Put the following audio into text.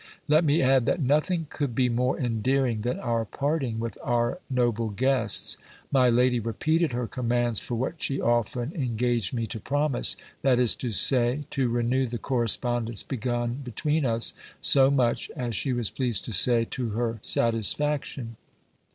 Let me add, that nothing could be more endearing than our parting with our noble guests. My lady repeated her commands for what she often engaged me to promise, that is to say, to renew the correspondence begun between us, so much (as she was pleased to say) to her satisfaction.